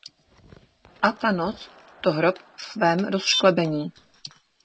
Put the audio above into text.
A ta noc - to hrob v svém rozšklebení!